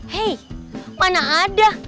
hei mana ada